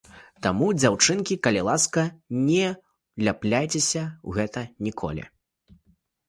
Таму, дзяўчынкі, калі ласка, не ўляпвайцеся у гэта ніколі!